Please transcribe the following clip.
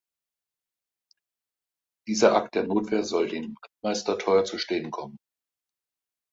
Dieser Akt der Notwehr soll den Rittmeister teuer zu stehen kommen.